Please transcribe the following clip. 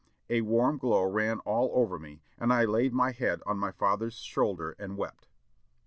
A warm glow ran all over me, and I laid my head on my father's shoulder and wept."